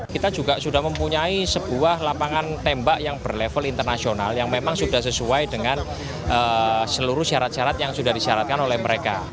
kita juga sudah mempunyai sebuah lapangan tembak yang berlevel internasional yang memang sudah sesuai dengan seluruh syarat syarat yang sudah disyaratkan oleh mereka